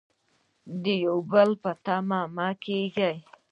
د بل په تمه مه کیږئ